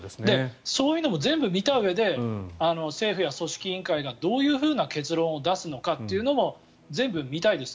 そういうのも全部見たうえで政府や組織委員会がどういう結論を出すのかというのも全部見たいです。